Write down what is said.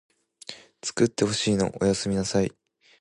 つくってほしいのおやすみなさい